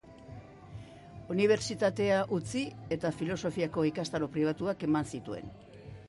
Unibertsitatea utzi eta filosofiako ikastaro pribatuak eman zituen.